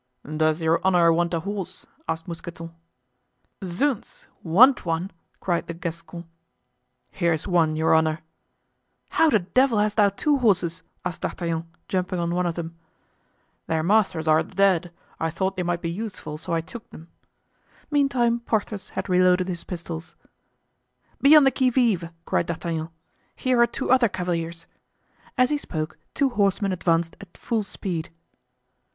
"Does your honor want a horse?" asked Mousqueton. "Zounds! want one!" cried the Gascon. "Here's one, your honor——" "How the devil hast thou two horses?" asked D'Artagnan, jumping on one of them. "Their masters are dead! I thought they might be useful, so I took them." Meantime Porthos had reloaded his pistols. "Be on the qui vive!" cried D'Artagnan. "Here are two other cavaliers." As he spoke, two horsemen advanced at full speed.